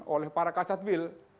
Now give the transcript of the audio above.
oleh para kasat wil